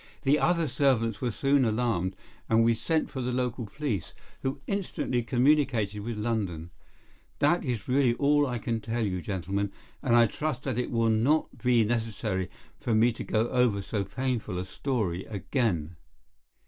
The other servants were soon alarmed, and we sent for the local police, who instantly communicated with London. That is really all that I can tell you, gentlemen, and I trust that it will not be necessary for me to go over so painful a story again."